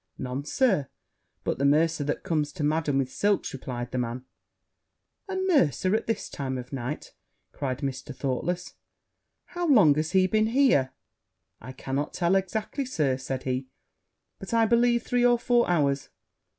'None, Sir, but the mercer that comes to Madam with silks,' replied the man. 'A mercer at this time of night!' cried Mr. Thoughtless. 'How long has he been here?' 'I cannot tell exactly, Sir,' said he; 'but, I believe, three or four hours.'